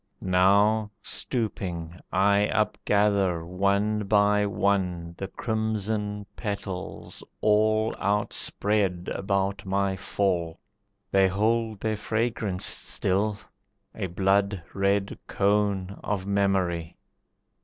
Now, stooping, I upgather, one by one, The crimson petals, all Outspread about my fall. They hold their fragrance still, a blood red cone Of memory.